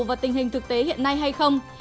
và tình hình thực tế hiện nay hay không